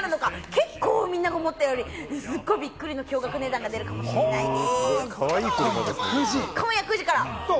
結構、みんなが思ったより、すごいびっくりの驚がく値段が出るかもしれないです。